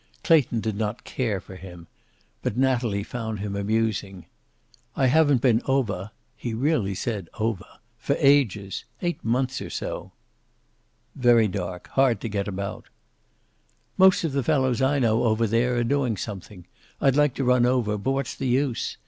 Clayton did not care for him, but Natalie found him amusing. "I haven't been over " he really said 'ovah' "for ages. Eight months or so." "Very dark. Hard to get about." "Most of the fellows I know over there are doing something. I'd like to run over, but what's the use?